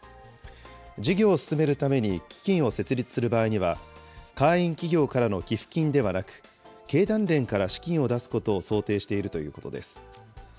事業を進めるために基金を設立する場合には、会員企業からの寄付金ではなく、経団連から資金を出すことを想定しているということです。